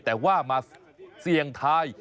แต่ว่ามาเซียงไทย